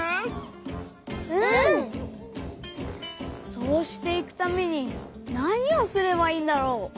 そうしていくためになにをすればいいんだろう？